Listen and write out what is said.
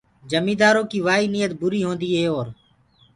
جميندآرو ڪي وآئي نيت بري هوندي هي اور